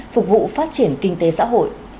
phục vụ phát triển kinh tế xã hội